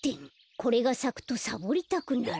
これがさくとサボりたくなる。